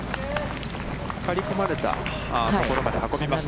刈り込まれたところまで運びました。